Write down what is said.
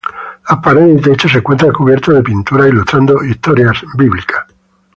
Las paredes y techos se encuentran cubiertos de pinturas ilustrando historias bíblicas.